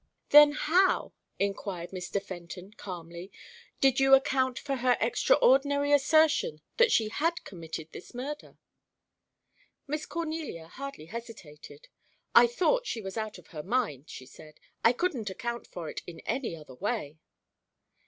"Then how," inquired Mr. Fenton calmly, "did you account for her extraordinary assertion that she had committed this murder?" Miss Cornelia hardly hesitated. "I thought she was out of her mind," she said. "I couldn't account for it in any other way."